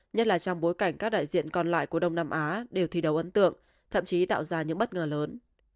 nhất là trong bối cảnh các đại diện còn lại của đông nam á đều thi đấu ấn tượng thậm chí tạo ra những bất ngờ lớn